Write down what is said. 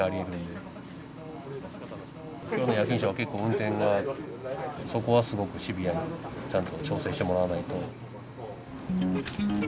今日の夜勤者は結構運転はそこはすごくシビアにちゃんと調整してもらわないと。